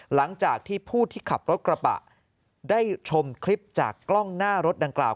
หลังจากที่ผู้ที่ขับรถกระบะได้ชมคลิปจากกล้องหน้ารถดังกล่าว